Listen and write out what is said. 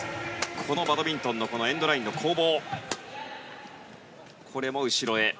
このバドミントンのエンドラインの攻防。